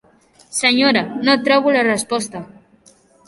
Senyora, no trobo la resposta.